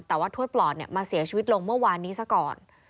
แต่ว่าทวดปลอดมาเสียชีวิตลงเมื่อวานนี้ซะก่อน